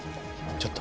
ちょっと。